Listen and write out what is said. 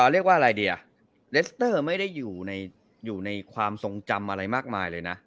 เรียกว่าอะไรดีอ่ะเลสเตอร์ไม่ได้อยู่ในความทรงจำอะไรมากมายเลยนะ